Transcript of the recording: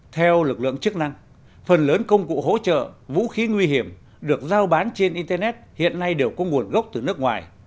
theo lực lượng chức năng phần lớn công cụ hỗ trợ vũ khí nguy hiểm được giao bán trên internet hiện nay đều có nguồn gốc từ nước ngoài